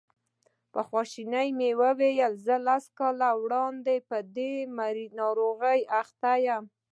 خواښې مې وویل زه لس کاله په دې ناروغۍ اخته یم.